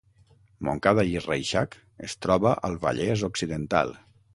Montcada i Reixac es troba al Vallès Occidental